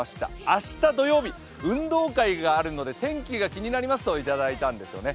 明日土曜日、運動会があるので天気が気になりますといただいたんですね。